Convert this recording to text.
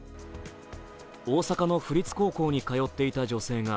大阪の府立高校に通っていた女性が